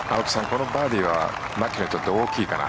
このバーディーはマキロイにとって大きいかな？